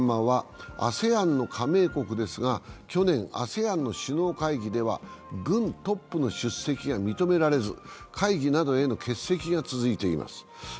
ミャンマーはＡＳＥＡＮの加盟国ですが去年、ＡＳＥＡＮの首脳会議ではミャンマーの軍トップの出席が認められず、会議などへの欠席が続いています。